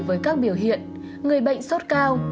với các biểu hiện người bệnh sốt cao